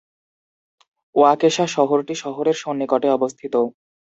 ওয়াকেশা শহরটি শহরের সন্নিকটে অবস্থিত।